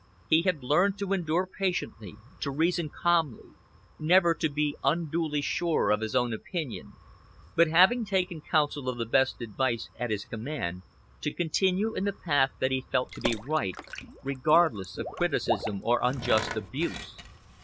He had learned to endure patiently, to reason calmly, never to be unduly sure of his own opinion; but, having taken counsel of the best advice at his command, to continue in the path that he felt to be right, regardless of criticism or unjust abuse.